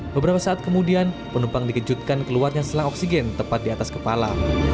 beberapa saat kemudian penumpang dikejutkan keluarnya selang oksigen tepat di atas kepala